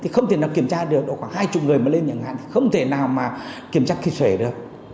không thể nào kiểm tra được khoảng hai mươi người mà lên nhà ngãn không thể nào mà kiểm tra khi sể được